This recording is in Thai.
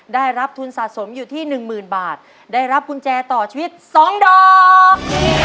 ได้รับทุนสะสมอยู่ที่หนึ่งหมื่นบาทได้รับกุญแจต่อชีวิต๒ดอก